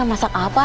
aku rekur aja ya